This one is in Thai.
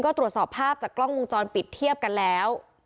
ก็ตรวจสอบภาพจากกล้องวงจรปิดเทียบกันแล้ว